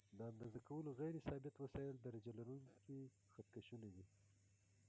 د اندازه کولو غیر ثابت وسایل درجه لرونکي خط کشونه دي.